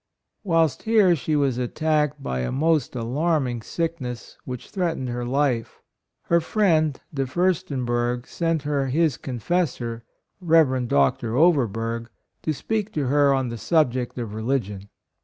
Whilst here she was attacked by a most alarming sick ness, which threatened her life ; her friend, De Furstenberg, sent her his confessor, Rev. Dr. Overberg, to speak to her on the subject of religion.